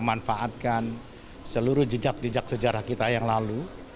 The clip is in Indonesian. memanfaatkan seluruh jejak jejak sejarah kita yang lalu